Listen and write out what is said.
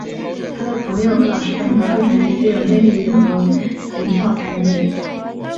他的朋友和老师把他描述成一个有魅力的和领导才能的人。